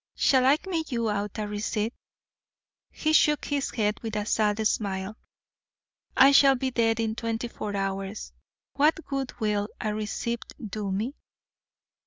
'Shall I make you out a receipt?' He shook his head with a sad smile. 'I shall be dead in twenty four hours. What good will a receipt do me?'